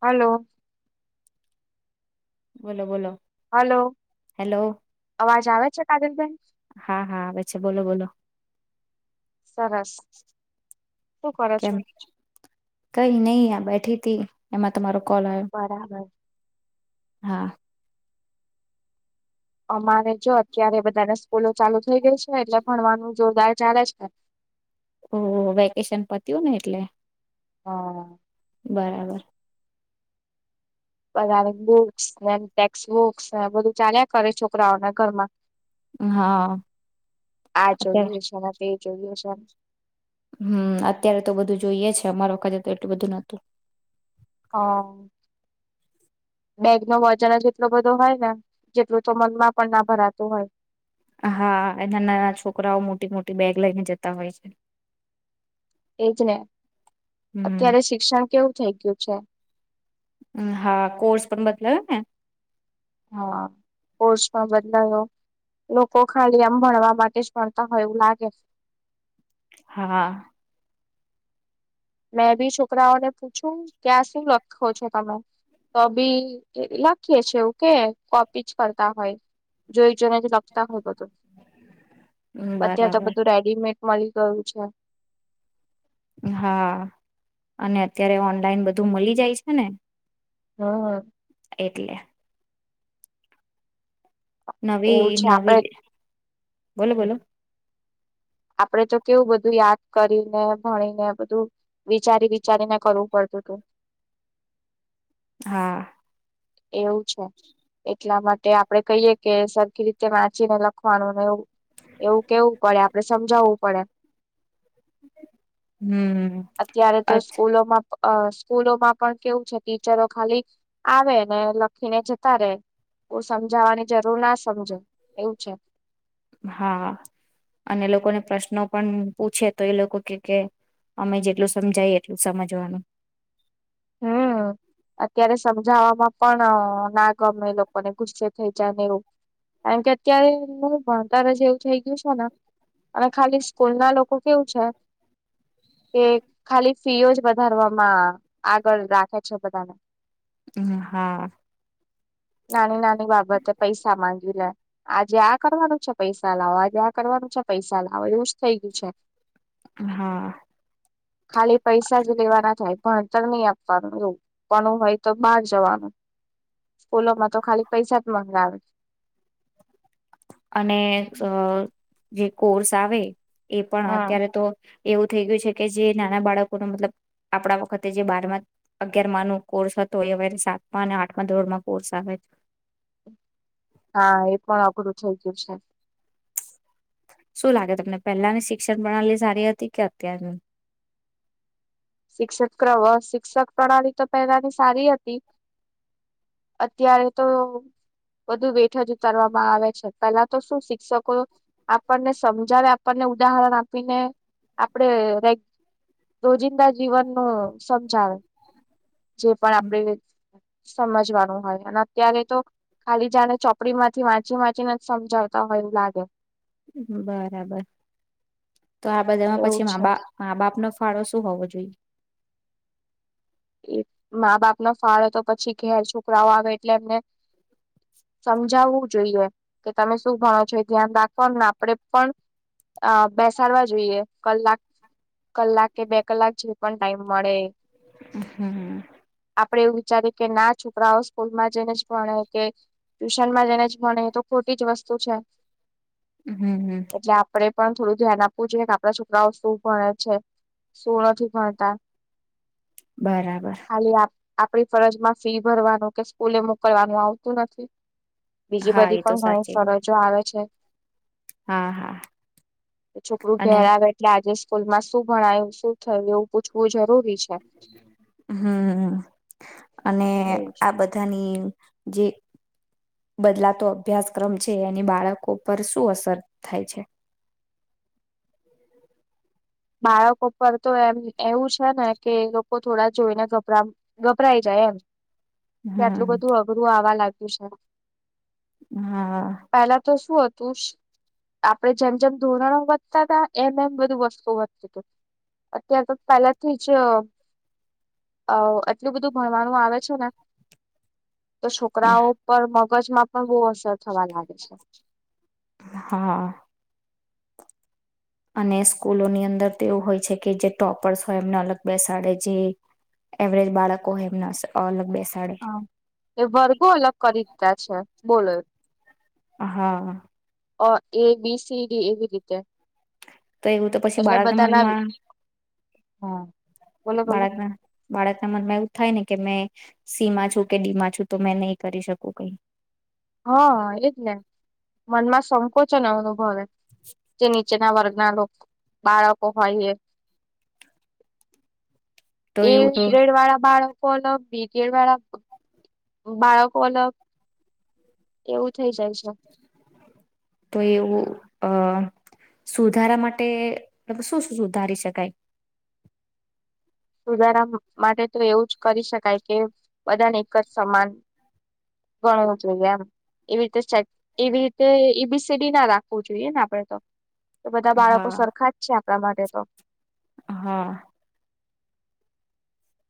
Hello. બોલો બોલો. Hello, hello અવાજ આવે છે કાજલબેન. હા હા આવે છે બોલો બોલો સરસ, શું કરો છો? કેમ કઈ નઈ આ બેઠી હતી એમાં તમારો કોલ આવ્યો બરાબર. હા. અમારે જો અત્યારે બધાનાં સ્કૂલો ચાલુ થઈ ગઈ છે એટલે ભણવાનું જોરદાર ચાલે છે. ઓ વેકેશન પતયુંને એટલે. હા. બરાબર. પરાવે બુક્સ ટેક્સ બુક્સ બધું ચાલ્યા કરે છોકરાઓના ઘરમાં. હા, આ [inaudible] અત્યારે જોઈએ છે ને તે જોઈએ શાક. હમ, અત્યારે તો બધું જોઈએ છે અમારા વખતે તો એટલું બધું નહતું. હા. બેગનો વજન જ એટલો બધો હોયને જેટલું તો મનમાં પણ નાં ભરાતું હોય. હા, એના નાનાં છોકરાઓ મોટી મોટી બેગ લઈને જતા હોય છે. એજને. હમ અત્યારે શિક્ષણ કેવું થઈ ગયું છે. હા, કોર્સ પણ બદલાયોને. હા, કોર્સમાં બદલાયો લોકો ખાલી આમ ભણવા માટે જ ભણતા હોય એવું લાગે હા. મેંબી છોકરાઓને પૂછું ક્યાં શું લખો છો તમે તોબી લખીએ છે એવું કે કોપી જ કરતા હોય જોઈ જોઈને જ લ તા હોય બધું [inaudible] અત્યારે તો બરાબર બધું રેડીમેટ મળી ગયું છે. હા, અને અત્યારે ઓનલાઈન બધું મલી જાય છેને. હમ. એટલે. એવું નવી છે આપડે નવી બોલો બોલો. આપડે તો કેવું બધું યાદ કરીને ભણીને બધું વિચારી વિચારીને કરવું પડતું હતું. હા. એવું છે એટલા મા તે આપરે કહીએ કે સરખી રીતે વાંચીને લખવાનું ને એવું એવું કેવું પડે આપડે સમજાવવું પડે. [inaudible] હમ અત્યારે તો સ્કૂલોમાં અ સ્કૂલો માં પણ કેવું છે ટીચરો ખાલી આવે ને લખી ને જતા રે બઉ સમજાવાની જરૂર ના સમજે એવું છે હા અને લોકોને પ્રશ્નો પણ પૂછે તો એ લોકો કે કે અમે જેટલું સમજાયે એટલું સમજવાનું હમ અત્યારે સમજાવવામાં પણ ના ગમે લોકોને ગુસ્સે થઈ જાય ને એવું કારણ કે અત્યારે નું ભણતર જ એવું થઈ ગયું છે ને અને ખાલી સ્કૂલ ના લોકો કેવું છે કે ખાલી ફીઓ જ વધારવામાં આગળ રાખે છે બધાને હા નાની નાની બાબતે પૈસા માંગીને આજે આ કરવાનું છે પૈસા લાવો આજે આ કરવાનું છે પૈસા લાવો એવું જ થઇ ગયું છે હા ખાલી પૈસા જ લેવાના થાય ભણતર નહી આપવાનું એવું ભનવુ હોય તો બહાર જવાનું સ્કૂલોમાં તો ખાલી પૈસા જ મંગાવે અને અ જે કોર્સ આવે એ પણ હમ અત્યારે તો એવું થઈ ગયું છે કે જે નાના બાળકો ન મતલબ આપણા વખતે જે બારમાં અગિયાર નો કોર્સ હતો એ અવે સાતમાં અને આઠમાં ધોરમાં કોર્સ આવે છે હા એ પણ અઘરું થઈ ગયું છે શું લાગે તમને પહેલાની શિક્ષણ પ્રણાલી સારી હતી કે અત્યારની શિક્ષ્ર શિક્ષક પ્રણાલી તો પહેલાની સારી હતી અત્યારે તો વધુ વેઠ જ ઉતારવામાં આવે છે પેલા તો શું શિક્ષકો આપણને સમજાવે આપણને ઉદાહરણ આપીને આપડે રેગ રોજિંદા જીવન ન સમજાવે જે પણ આપડે સમજવાનું હોય અને અત્યારે તો ખાલી જાણે ચોપડી માંથી વાંચી વાંચીને જ સમજાવતા હોય એવું લાગે બરાબર તો આ બધામાં એવું પછી મા છે બા મા બાપનો ફાળો શું હોવો જોઈએ ઈ મા બાપ નો ફાળો તો પછી ઘેર છોકરાઓ આવે એટલે એમને સમજાવવું જોઈએ કે તમે શું ભણો છો એ ધ્યાન રાખવાનું અને આપડે પણ અ બેસાડવા જોઈએ કલાક કલાક કે બે કલાક જે પણ ટાઈમ મળે હમ આપડે એવું વિચારીએ કે ના છોકરાઓ સ્કૂલમાં જઈને જ ભણે કે ટ્યુશન માં જઈને જ ભણે તો ખોટી જ વસ્તુ છે હમ હમ એટલે આપડે પણ થોડું ધ્યાન આપવું જોઈએ અન આપડા છોકરાઓ શું ભણે છે શું નથી ભણતા બરાબર ખાલી આપણી ફરજમાં ફી ભરવાનું કે સ્કૂલે મોકલવાનું આવતું નથી બીજી હા એ બધી તો પણ ઘણી સાચી વાત. ફરજો આવે છે હા હા છોકરું અને ઘેર આવે એટલે આજે સ્કૂલ માં શું ભણાયું શું થયું એવું પૂછવું જરૂરી છે હમ અને એવું છે આ બધાની જે બદલાતો અભ્યાસક્રમ છે એની બાળકો પર શું અસર થાય છે બાળકો પર તો એમ એવું છે ને કે એ લોકો થોડા જોઈને ગભરા ગભરાઈ જાય એમ કે આટલું હમ બધું અઘરું આવા લાગે. અછા. હા પહેલા તો શુંત તું આપડે જેમ જેમ ધોરણો વધતા હતા એમ એમ બધું વસ્તુઓ વધતા અત્યારે તો પહેલાથી જ આટલું બધું ભણવાનું આવે છે ને તો છોકરાઓ પર મગજમાં પણ બહ હા. અને સ્કૂલોની અંદર તો એવું હોય છે કે જે ટોપર્સ હોય એમને અલગ બેસાડે જે એવરેજ બાળકો હોય એમને અલગ બેસા હા એ વરગું એલગ કરી. છા બોલો. હા. અ એ બીસીડી એવી રીતે. તો એવું તો પછી એટલે બાળકના બધાના મનમાં હા બોલો બોલો બાળકના બાળકના મનમાં એવું થાય ને. કે મેં સી માં છું કે ડી માં છું તો મેં નહી કરી શકું કઈ. હા એટલેને મનમાં સંકોચન અનુભવે. જન. ચ ના વર્ગના લોકો બાળકો હોય એ. તો એ એવું તો ગ્રેડ વાળા બાળકો ફલો બટીર ભળ [inaudible] [unintelligible] બાળકો અલગ એવું થઈ જાય છે તો એવું. અ સુધારા માટે શું શું સુધારી શકાય. સુધારા માટે તો એવું જ કરી શકાય કે બધાને એક જ સમાન ગણવું જોઈએ એમ એવી રીતે એવી રીતે એબીસીડી ના રાખવું જોઈએ ને આપણેે તો. તો બધા બાળકો હા સરખા જ છે. આ માટે તો. હા.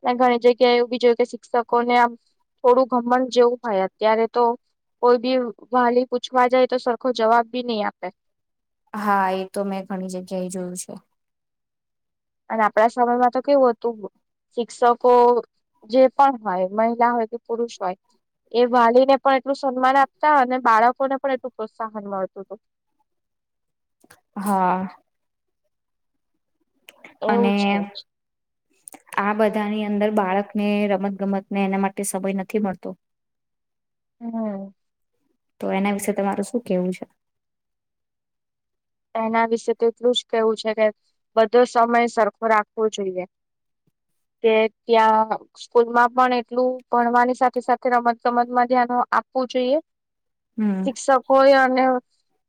અને ઘણી જગ્યાએ એવું બીજયું, કે શિક્ષકોને આમ થોડું ઘમણ જેવું હોય અત્યારે તો કોઈ બી વાલી પૂછવા જાય તો સરખો જવાબ બી નહી આપે. હા એ તો મેં ઘણી જગ્યા એ જોયું છે. અને આપણા સમયમાં તો કેવું હતું શિક્ષકો જે પણ હોય મહિલા હોય કે પુરુષ હોય એ વાલીને પણ એટલું સન્માન આપતા અને બાળકોને પણ એટલું પ્રોત્સાહન મળતું હતું. હા. અને. એવું છે આ બધાની અંદર બાળકને રમત ગમત ને એના માટે સમય નથી મળતો. હમ. તો એના વિશે તમારું શું કેવું છે. એના વિશે તો એટલું જ કેવું છે કે બધો સમય સરખો રાખવો જોઈએ કે ત્યાં સ્કૂલમાં પણ એટલું ભણવાની સાથે સાથે રમત ગમતમાં ધ્યાનો આપવું જોઈએ. હમ શિક્ષકો હોય અને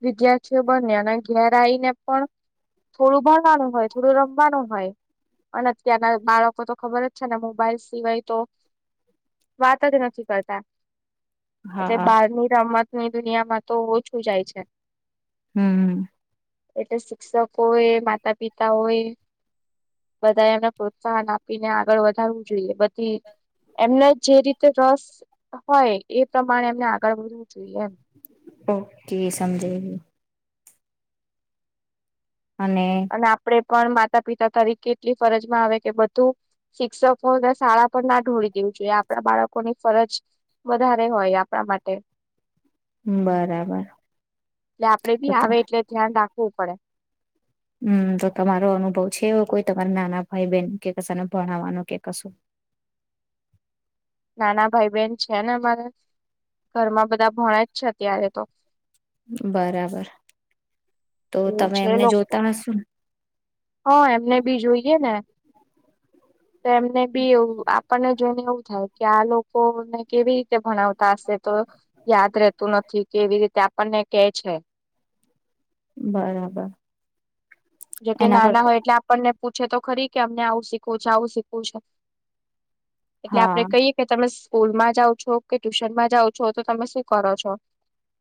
વિદ્યાર્થીઓ બન્ને ઘેરાઈને પણ થોડું ભણવાનું હોય થોડું રમવાનું હોય અને અત્યારના બાળકો તો ખબર જ છે ને મોબાઈલ સિવાય તો વાત જ નથી કરતા. એટલે બારની રમત ૂની દુનિયામાં તો ઓછું જાય છે. [inaudible] [inaudible] એટલે શિક્ષકો એ માતા પિતાઓએ બધાએ એમને પ્રોત્સાહન આપીને આગળ વધારવું જોઈએ બધી એમને જે રીતે રસ હોય એ પ્રમાણે એમને આગળ વધવું જોઈએ એમ. ઓકે સમજે. અને પણ માતા પિતા તરીકે એટલી ફરજમાં આવે કે બધું શિક્ષકો શાળા પર ના ઢોળી દેવું જોઈએ આપણા બાળકોની ફરજ વધારે હોય આપણા માટે એટલે બરાબર આપડે તો ભી તો આવે એટલે ધ્યાન રાખ પવું પડે હમ તો તમારો અનુભવ છે એવો કોઈ તમારા નાના ભાઈ બહેન કે કશાને ભણાવવાનો કે કશું? નાના ભાઈ બહેન છે ને અમારે ઘરમાં બધા ભણે જ છે અત્યારે તો. બરાબર તો એવું તમે છે એમને લોકો જોતા હશો ને. હા એમને બી જોઈએ ને તો એમને બી એ આપણને જોઈને એવું થાય કે આ લોકોને કેવી રીતે ભણાવતા તો યાદ રેહતું નથી કે એવી રીતે આપને કે છે બરાબર. જોકે એના પર નાના હોય એટલે આપણને પૂછે તો ખરી કે અમને આવું શીખવું છે આવું શીખવું છે. એટલે આપડે હા કહીયએ કે તમે સ્કૂલ માં જાઓ છો કે ટ્યુશનમાં જાઉ છો તો તમે શું કરો છો.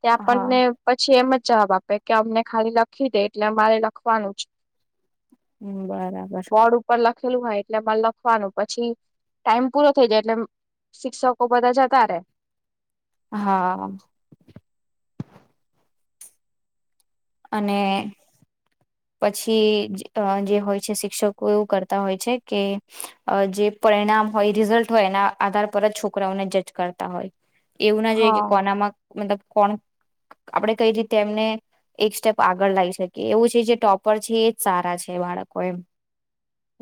ત હા આપણને પછી એમ જવાબ આપે કે અમને ખાલી લખી દે એટલે અમારે લખવાનું જ હ બરાબર. બોર્ડ ઉપર લખેલું હોય એટલે મરે લખવાનું પછી ટાઈમ પૂરો થઈ જાય એટલે શિક્ષકો બધા જતા ર. હા. અને પછી જે હોય છે શિક્ષકો એવું કરતા હોય છે કે જે પરિણામ હોય રિઝલ્ટ હોય એના આધાર પર જ છોકરાઓને જજ કરતા હોય. એવું ના જોઈએ કે હા. કોનામાં મતલબ કોણ આપડે કઈ રીતે એમને એક સ્ટેપ આગળ લાવી શકીએ એવું છે જે ટોપર છે એજ સારા છે બાળકો એમ.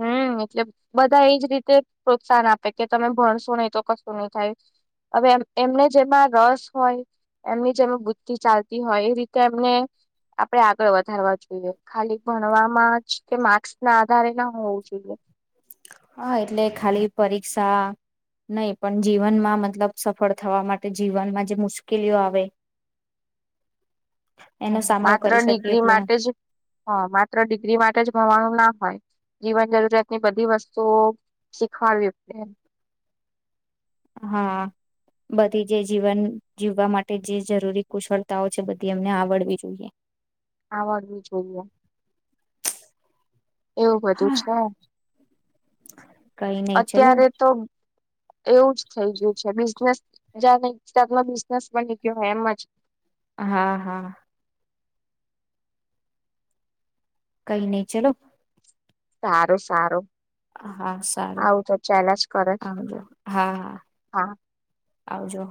હમ એટલે બધા એજ રીતે પ્રોત્સાહન આપે કે તમે ભણશો નહી તો કશું નહી થાય હવેમ એમને જેમાં રસ હોય એમની જેમ બુદ્ધિ ચાલતી હોય એ રીતે એમને આપડે આગળ વધારવા જોઈએ ખાલી ભણવામાં જ કે માર્સ ના આધારે ના હોવું [inaudible] હા એટલે ખાલી પરીક્ષા નહી પણ જીવનમાં મતલબ સફળ થવા માટે જીવનમાં જે મુશ્કેલીઓ આવે એનો સામનો માત્ર કરી શકીએ ડિગ્રી એટલે માટે જ હ માત્ર ડિગ્રી માટે જ ભણવાનું ના હોય. જીવન જરૂરિયાતની બધી વસ્તુઓ શીખવાડવી હા બધી જે જીવન જીવવા માટે જે જરૂરી કુશળતાઓ છે બધી એમને આવડવી જોઈએ. આવડું જોઈએ. એવું બધું છે કઈ નહી ચલો અત્યારે તો એવું જ થઇ ગયું છે બિઝનેસ જ ત સ બની ગયો હ એમ જ. હા હા કઈ નહી ચલો. સારું સારું. હા સારું આવું તો ચાલ્યા જ કરે હજ હા હા. હા આવજો.